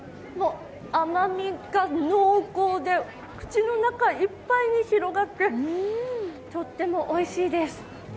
甘みが濃厚で口の中いっぱいに広がってとってもおいしいです。